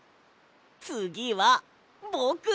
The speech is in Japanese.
つぎはぼく。